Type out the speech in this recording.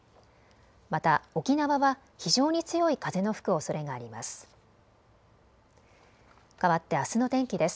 また、沖縄は非常に強い風の吹くおそれがあります。